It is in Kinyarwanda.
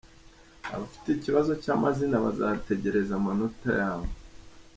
Abafite ikibazo cy’amazina bazategereza amanota yabo.